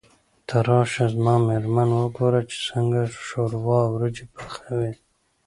ته راشه زما مېرمن وګوره چې څنګه شوروا او وريجې پخوي.